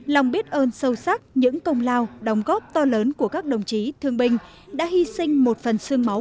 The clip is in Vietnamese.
lòng biết ơn sâu sắc những công lao đóng góp to lớn của các đồng chí thương binh đã hy sinh một phần sương máu